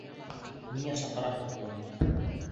Ниңә саҡыраһығыҙ уны?